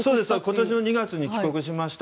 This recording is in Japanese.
今年の２月に帰国しました。